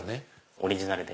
オリジナルで。